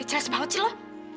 hah kecil banget sih lo